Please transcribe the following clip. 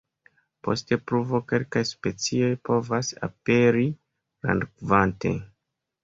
Post pluvo kelkaj specioj povas aperi grandkvante.